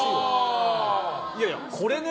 いやいや、これね。